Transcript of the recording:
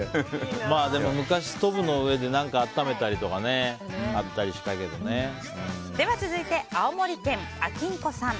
まあでも、昔ストーブの上で何か温めたりとか続いて、青森県の方。